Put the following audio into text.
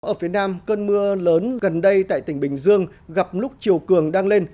ở phía nam cơn mưa lớn gần đây tại tỉnh bình dương gặp lúc chiều cường đang lên